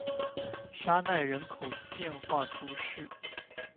沙奈人口变化图示